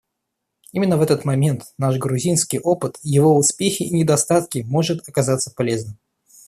Именно в этот момент наш грузинский опыт — его успехи и недостатки — может оказаться полезным.